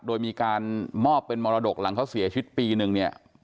โดยมีการมอบเป็นมรดกหลังเขาเสียชีวิตปีนึงเนี่ย